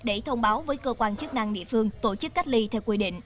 để thông báo với cơ quan chức năng địa phương tổ chức cách ly theo quy định